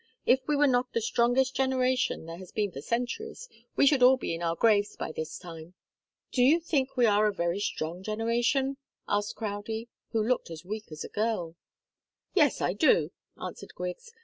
If we were not the strongest generation there has been for centuries, we should all be in our graves by this time." "Do you think we are a very strong generation?" asked Crowdie, who looked as weak as a girl. "Yes, I do," answered Griggs.